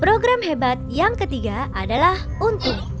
program hebat yang ketiga adalah untuk